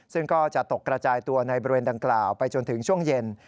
ซึ่งก็จะตกกระจายตัวในบริเวณดังกล่าวไปจนถึงช่วงเย็น